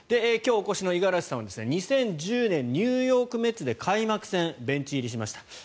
今日お越しの五十嵐さんは２０１０年ニューヨーク・メッツで開幕戦、ベンチ入りしました。